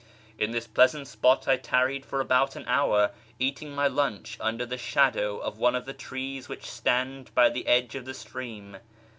In this pleasant spot I tarried for about an hour, eating my lunch under the shadow of one of the trees which stand by the edge of the stream.